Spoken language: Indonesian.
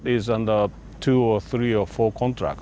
jadi ini di bawah satu kontrak